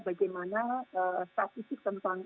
bagaimana statistik tentang